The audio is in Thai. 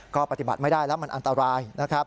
ก็ปฏิบัติไม่ได้แล้วมันอันตราย